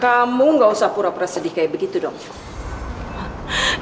kamu nggak usah pura pura sedih kayak begitu dong kamu nggak usah pura pura sedih kayak begitu dong